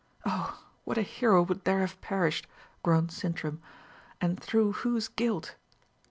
"Oh! what a hero would there have perished!" groaned Sintram, "and through whose guilt?"